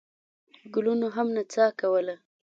ګلونو هم نڅا کوله.